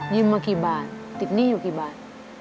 มากี่บาทติดหนี้อยู่กี่บาท